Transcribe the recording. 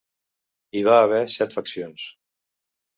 Hi va haver set faccions.